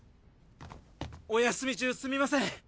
お休み中すみません！